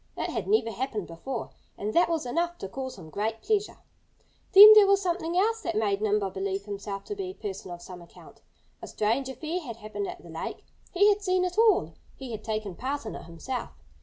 It had never happened before. And that was enough to cause him great pleasure. Then there was something else that made Nimble believe himself to be a person of some account: A strange affair had happened at the lake. He had seen it all. He had taken part in it himself.